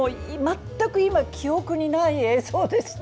全く今は記憶にない映像でした。